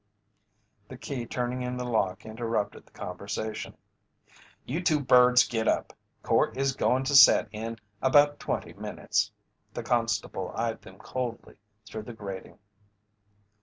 The key turning in the lock interrupted the conversation. "You two birds get up. Court is goin' to set in about twenty minutes." The constable eyed them coldly through the grating.